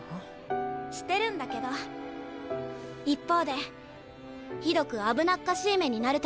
してるんだけど一方でひどく危なっかしい目になる時がある。